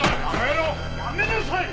やめなさい！